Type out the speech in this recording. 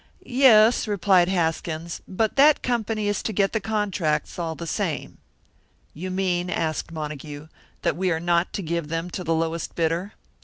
"Yes," replied Haskins, "but that company is to get the contracts, all the same." "You mean," asked Montague, "that we are not to give them to the lowest bidder?"